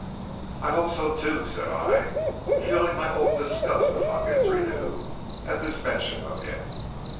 "'I hope so too,' said I, feeling my old disgust of Huckins renewed at this mention of him.